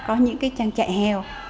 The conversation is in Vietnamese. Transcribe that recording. có những cái trang trại heo